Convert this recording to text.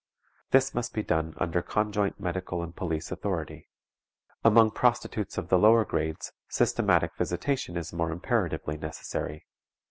This must be done under conjoint medical and police authority. Among prostitutes of the lower grades systematic visitation is more imperatively necessary.